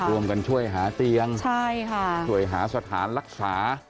ร่วมกันช่วยหาเตียงช่วยหาสถานรักษา